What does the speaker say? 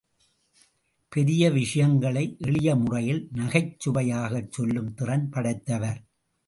பெரிய விஷயங்களை எளிய முறையில் நகைச் சுவையாகச் சொல்லும் திறன் படைத்தவர்.